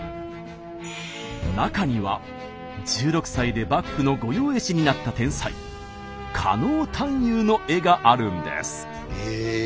中には１６歳で幕府の御用絵師になった天才狩野探幽の絵があるんです。